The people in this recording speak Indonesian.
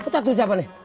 cetur siapa nih